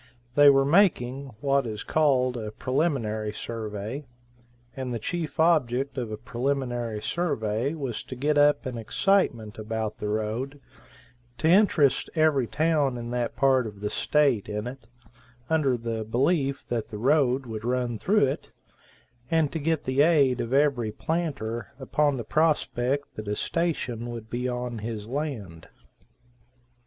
They were making, what is called a preliminary survey, and the chief object of a preliminary survey was to get up an excitement about the road, to interest every town in that part of the state in it, under the belief that the road would run through it, and to get the aid of every planter upon the prospect that a station would be on his land.